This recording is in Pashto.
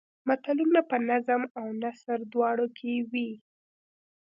متلونه په نظم او نثر دواړو کې وي